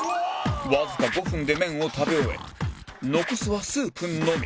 わずか５分で麺を食べ終え残すはスープのみ